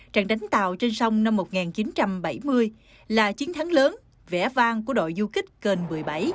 trận đánh tàu trên sông năm một nghìn chín trăm bảy mươi là chiến thắng lớn vẻ vang của đội du kích kênh một mươi bảy